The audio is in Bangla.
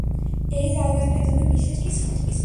এই জায়গাটা কি আপনার জন্য বিশেষ কিছু?